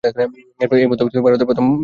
এই মদ্য ভারতের প্রথম প্রস্তুত রাম।